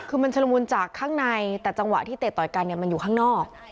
คือมันชุลมุนจากข้างในแต่จังหวะที่เตะต่อยกันเนี่ยมันอยู่ข้างนอก